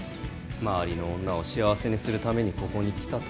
周りの女を幸せにするためにここに来たと。